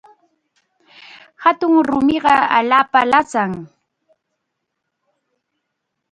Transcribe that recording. Hatun rumiqa allaapam lasan.